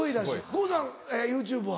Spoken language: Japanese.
郷さんＹｏｕＴｕｂｅは？